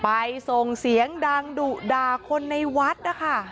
ไปส่งเสียงดังดุด่าคนในวัดนะคะ